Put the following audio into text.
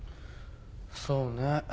そうね。